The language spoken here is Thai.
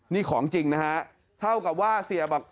นี่ของจริงนะฮะเท่ากับว่าเสียบอก